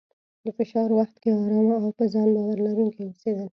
د فشار وخت کې ارام او په ځان باور لرونکی اوسېدل،